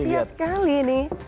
antusias sekali ini